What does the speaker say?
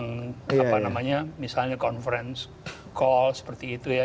nggak bisa melalui komunikasi misalnya conference call seperti itu ya